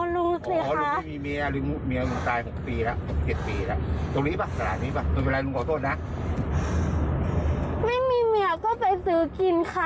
ลุงมีเมียไหมคะลุงก็ไปหาเมียเพราะลุงสิค่ะ